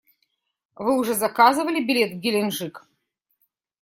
Вы уже заказывали билет в Геленджик?